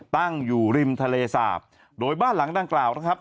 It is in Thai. ตั้งอยู่ริมทะเลสาบโดยบ้านหลังดังกล่าวนะครับ